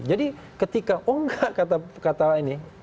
jadi ketika oh enggak kata kata ini